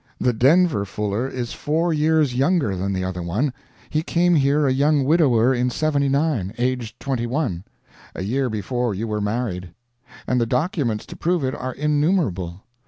The Denver Fuller is four years younger than the other one; he came here a young widower in '79, aged twenty one a year before you were married; and the documents to prove it are innumerable.